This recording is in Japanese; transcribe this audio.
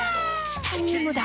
チタニウムだ！